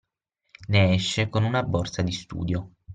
Ne esce con una borsa di studio